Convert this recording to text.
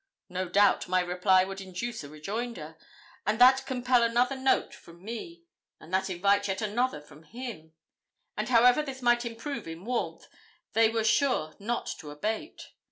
No doubt my reply would induce a rejoinder, and that compel another note from me, and that invite yet another from him; and however his might improve in warmth, they were sure not to abate.